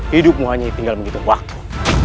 hidupmu hanya tinggal menghitung waktu